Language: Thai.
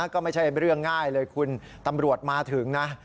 ก็ไม่ใช่เรื่องง่ายเลยคุณตำรวจมาถึงนะ